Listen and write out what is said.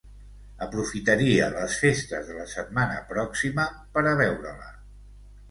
Aprofitaria les festes de la setmana pròxima per a veure-la.